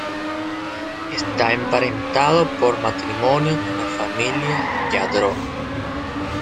Está emparentado por matrimonio con la familia Lladró.